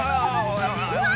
うわ！